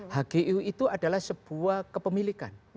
hgu itu adalah sebuah kepemilikan